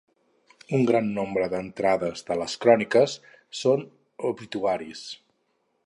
Un gran nombre d'entrades de les cròniques són obituaris.